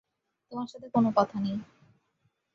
তোমার সাথে কোন কথা নেই।